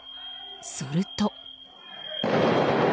すると。